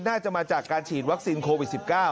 น่าจะมาจากการฉีดวัคซีนโควิด๑๙